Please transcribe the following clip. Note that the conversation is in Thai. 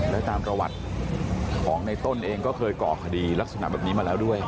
และตามประวัติของในต้นเองก็เคยก่อคดีลักษณะแบบนี้มาแล้วด้วย